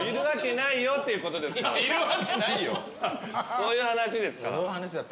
そういう話ですから。